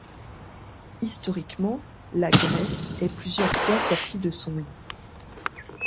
Historiquement, la Gresse est plusieurs fois sortie de son lit.